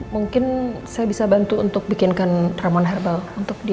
mungkin saya bisa bantu untuk bikinkan ramon herbal